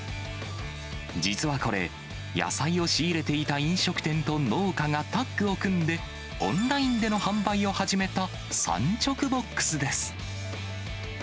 実はこれ、野菜を仕入れていた飲食店と農家がタッグを組んで、オンラインでの販売を始めた産直ボックスです。